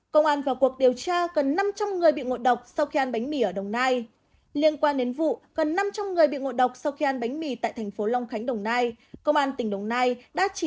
công an vào cuộc điều tra gần năm trăm linh người bị ngồi độc sau khi ăn bánh mì ở đồng nai